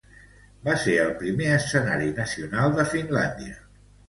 Va ser el primer escenari nacional de Finlàndia.